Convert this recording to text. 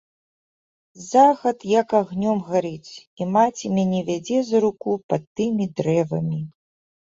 Захад як агнём гарыць, і маці мяне вядзе за руку пад тымі дрэвамі.